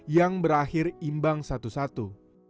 yang berakhir imbang satu satu